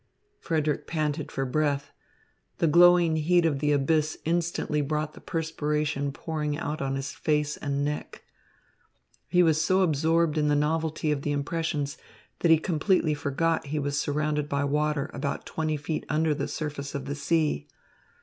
Frederick panted for breath. The glowing heat of the abyss instantly brought the perspiration pouring out on his face and neck. He was so absorbed in the novelty of the impressions that he completely forgot he was surrounded by water about twenty feet under the surface of the sea.